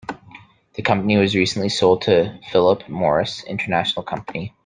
The company was recently sold to Phillip Morris International company.